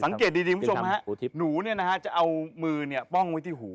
สังเกตดีคุณผู้ชมฮะหนูเนี่ยนะฮะจะเอามือเนี่ยป้องไว้ที่หู